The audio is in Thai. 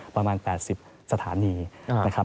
ประมาณ๘๐สถานีนะครับ